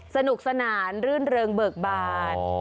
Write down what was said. สนุกสนานรื่นเริงเบิกบาน